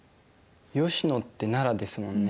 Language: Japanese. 吉野って奈良ですもんね。